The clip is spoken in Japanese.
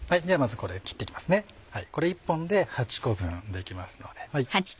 これ１本で８個分できますので。